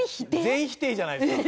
全否定じゃないですか。